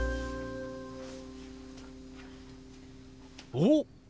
おっ！